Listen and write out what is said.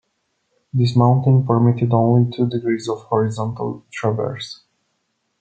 This mounting permitted only two degrees of horizontal traverse.